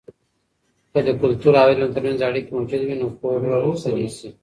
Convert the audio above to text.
که د کلتور او علم ترمنځ اړیکې موجودې وي، نو پوهه به غښتلې سي.